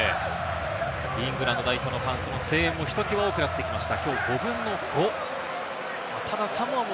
イングランドのファンの声援もひときわ大きくなってきました。